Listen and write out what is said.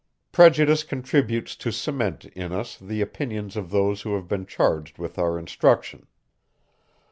Prejudice contributes to cement in us the opinions of those who have been charged with our instruction.